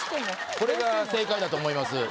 これが正解だと思います。